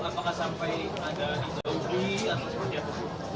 apakah sampai ada yang jauh di